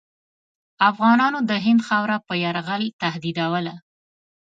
افغانانو د هند خاوره په یرغل تهدیدوله.